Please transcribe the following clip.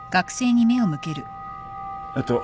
えっと。